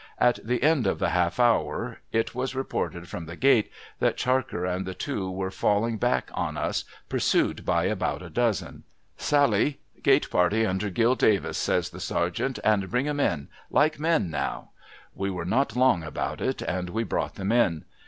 At the end of the half hour, it was reported from the gate that Charker and the two were falling back on us, pursued by about a dozen. ' Sally ! C]ate party, under Clill Davis,' says the Sergeant, ' and bring 'em in ! Like men, now !' We were not long about it, and we brought them in.